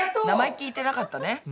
名前聞いてなかったね。